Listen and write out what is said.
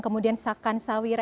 kemudian sakan sawira